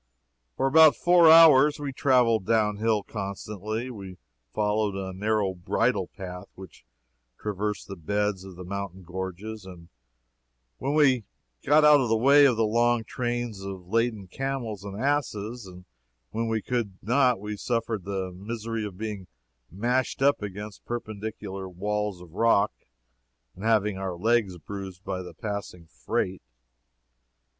For about four hours we traveled down hill constantly. We followed a narrow bridle path which traversed the beds of the mountain gorges, and when we could we got out of the way of the long trains of laden camels and asses, and when we could not we suffered the misery of being mashed up against perpendicular walls of rock and having our legs bruised by the passing freight.